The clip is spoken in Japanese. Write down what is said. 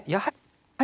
はい。